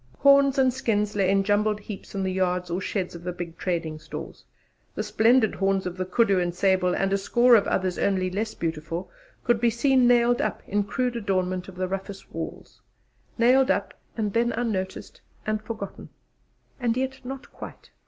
Horns and skins lay in jumbled heaps in the yards or sheds of the big trading stores. The splendid horns of the Koodoo and Sable, and a score of others only less beautiful, could be seen nailed up in crude adornment of the roughest walls; nailed up, and then unnoticed and forgotten! And yet not quite!